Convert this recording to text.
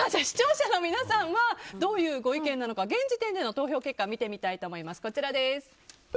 視聴者の皆さんはどういうご意見なのか現時点での投票結果を見てみたいと思います。